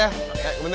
terima kasih ya